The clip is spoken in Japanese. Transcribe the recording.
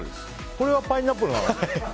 これはパイナップルなの？